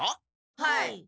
はい。